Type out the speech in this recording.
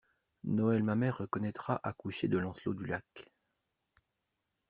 Noël Mamère reconnaîtra accoucher de Lancelot Du Lac.